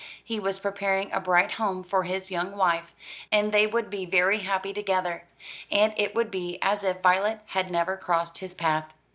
He was preparing a bright home for his young wife, and they would be very happy together, and it would be as if Violet had never crossed his path.